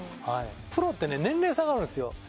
プロって年齢差があるんですよ。